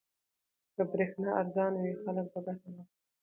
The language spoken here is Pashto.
که برېښنا ارزانه وي خلک به ګټه واخلي.